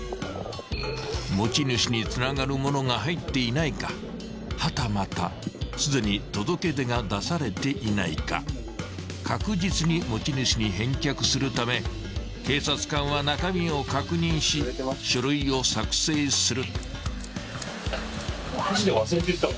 ［持ち主につながるものが入っていないかはたまたすでに届け出が出されていないか確実に持ち主に返却するため警察官は中身を確認し書類を作成する］